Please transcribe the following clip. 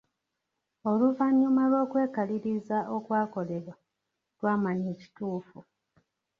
"Oluvannyuma lw’okwekaliriza okwakolebwa, twamanya ekituufu. "